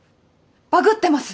バグってます！